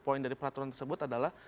poin dari peraturan tersebut adalah